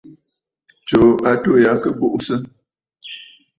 Tsuu atû ya kɨ buʼusə.